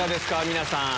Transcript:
皆さん。